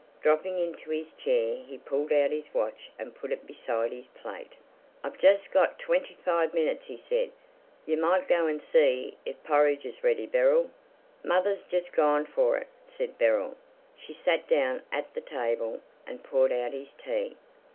Dropping into his chair, he pulled out his watch and put it beside his plate. "I've just got twenty five minutes," he said. "You might go and see if the porridge is ready, Beryl?" "Mother's just gone for it," said Beryl. She sat down at the table and poured out his tea.